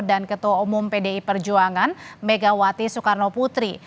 dan ketua umum pdi perjuangan megawati soekarno putri